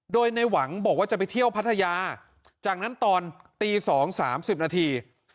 โดยในหวังบอกว่าจะไปเที่ยวพัทยาจากนั้นตอนตี๒๓๐นาที